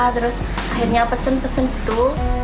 terus akhirnya pesan pesan gitu